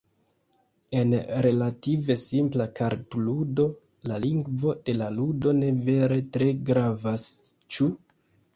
En relative simpla kartludo la lingvo de la ludo ne vere tre gravas, ĉu?